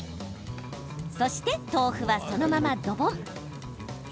そして豆腐は、そのままドボン！